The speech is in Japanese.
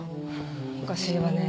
おかしいわね。